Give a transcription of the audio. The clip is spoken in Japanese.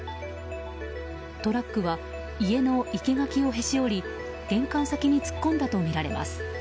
トラックは家の生け垣をへし折り玄関先に突っ込んだとみられます。